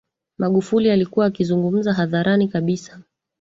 Magufuli alikuwa akizungumza hadharani kabisa